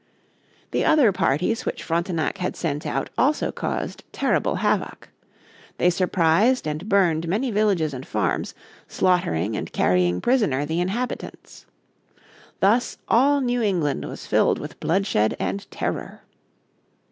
The other parties which Frontenac had sent out also caused terrible havoc. They surprised and burned many villages and farms, slaughtering and carrying prisoner the inhabitants. Thus all New England was filled with bloodshed and terror.